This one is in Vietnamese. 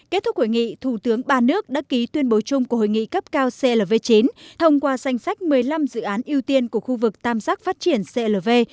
kết thúc hội nghị thủ tướng ba nước đã ký tuyên bố chung của hội nghị cấp cao clv chín thông qua danh sách một mươi năm dự án ưu tiên của khu vực tam giác phát triển clv